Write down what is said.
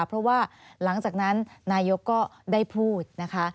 เพราะว่าหลังจากนั้นนายกก็ได้พูดนะคะ